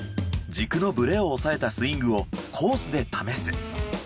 軸のブレを抑えたスイングをコースで試す。